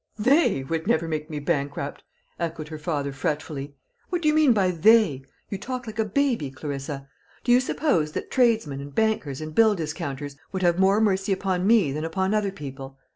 "They would never make me bankrupt!" echoed her father fretfully. "What do you mean by they? You talk like a baby, Clarissa. Do you suppose that tradesmen and bankers and bill discounters would have more mercy upon me than upon other people?